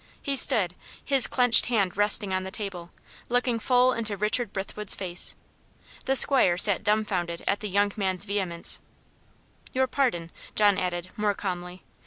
He stood, his clenched hand resting on the table, looking full into Richard Brithwood's face. The 'squire sat dumfoundered at the young man's vehemence. "Your pardon," John added, more calmly.